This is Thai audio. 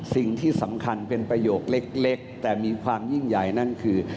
สิ่งที่สำคัญเป็นประโยคเล็กแต่มีความยิ่งใหญ่นั่นคือ